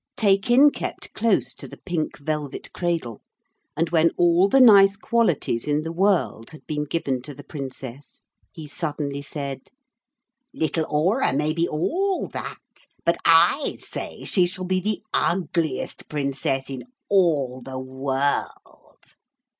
Taykin kept close to the pink velvet cradle, and when all the nice qualities in the world had been given to the Princess he suddenly said, 'Little Aura may be all that, but I say she shall be the ugliest princess in all the world.'